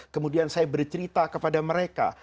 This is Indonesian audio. kemudian saya bercerita kepada mereka